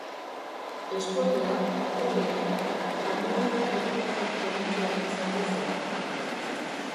Eskualdea, jatorrian, Panonia erromatar probintziaren zati zen.